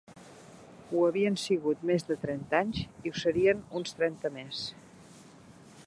Ho havien sigut més de trenta anys i ho serien uns trenta més